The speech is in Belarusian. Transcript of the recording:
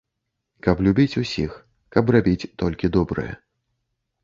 Каб любіць усіх, каб рабіць толькі добрае.